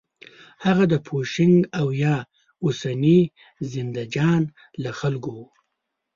هغه د پوشنګ او یا اوسني زندهجان له خلکو و.